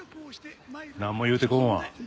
なんも言うてこんわ。